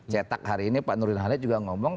cetak hari ini pak nurin halil juga ngomong